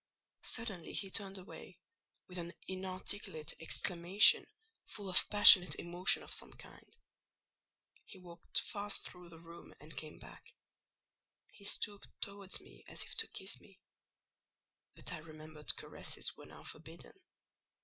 Suddenly he turned away, with an inarticulate exclamation, full of passionate emotion of some kind; he walked fast through the room and came back; he stooped towards me as if to kiss me; but I remembered caresses were now forbidden.